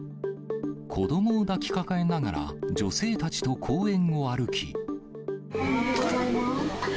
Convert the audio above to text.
子どもを抱きかかえながら、女性たちと公園を歩き。